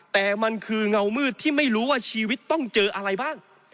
แต่มันคือเงามืดที่ไม่รู้ว่าชีวิตต้องเจออะไรบ้าง